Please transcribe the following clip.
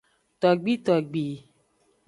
Togbitogbi.